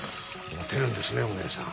モテるんですねお姉さん。